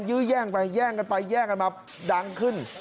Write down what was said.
แย่งกันไปแย่งกันมาแย่งกันมาดังขึ้น